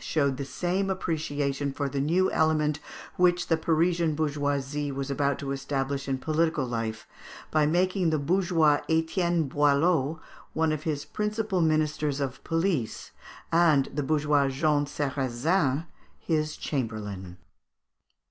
showed the same appreciation for the new element which the Parisian bourgeoisie was about to establish in political life by making the bourgeois Etienne Boileau one of his principal ministers of police, and the bourgeois Jean Sarrazin his chamberlain.